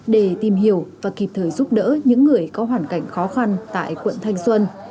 để tìm hiểu và kịp thời giúp đỡ những người có hoàn cảnh khó khăn tại quận thanh xuân